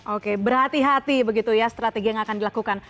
oke berhati hati begitu ya strategi yang akan dilakukan